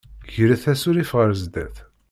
Gret asurif ɣer sdat.